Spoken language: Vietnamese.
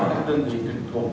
các tinh dị trực thuộc